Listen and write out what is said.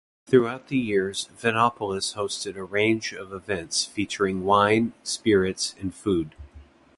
Throughout the year, Vinopolis hosted a range of events featuring wine, spirits and food.